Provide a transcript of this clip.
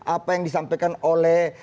apa yang disampaikan oleh